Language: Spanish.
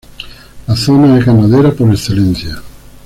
La zona es ganadera por excelencia.